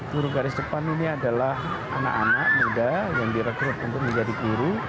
guru garis depan ini adalah anak anak muda yang direkrut untuk menjadi guru